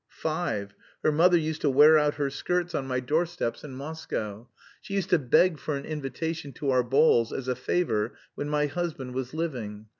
"Five. Her mother used to wear out her skirts on my doorsteps in Moscow; she used to beg for an invitation to our balls as a favour when my husband was living.